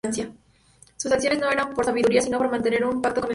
Sus acciones no eran por sabiduría sino por mantener un pacto con el Diablo.